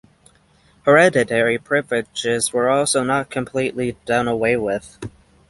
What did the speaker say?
Hereditary privileges were also not completely done away with.